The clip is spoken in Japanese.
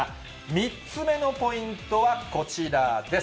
３つ目のポイントはこちらです。